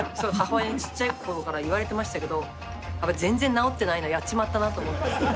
母親にちっちゃい頃から言われてましたけど全然直ってないなやっちまったなと思って。